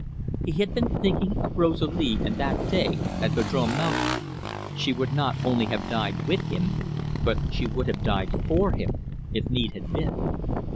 He had been thinking of Rosalie and that day at Vadrome Mountain. She would not only have died with him, but she would have died for him, if need had been.